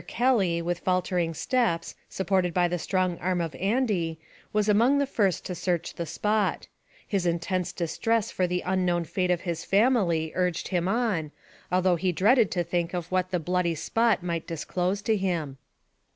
Kelly, with faltering steps, supported by the strong arm of Andy, was among the first to search the spot; his intense distress for the unknown fate of his family urged him on, although he dreaded to think of what the bloody spot might disclose to him.